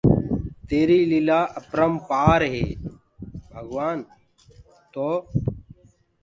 تيري ليلآن آپرمپآر ري هي ڀگوآن تو